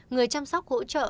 người chăm sóc hỗ trợ